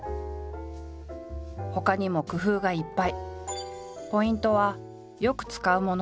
ほかにも工夫がいっぱい。